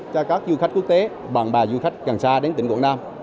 cho các du khách quốc tế bạn bè du khách gần xa đến tỉnh quảng nam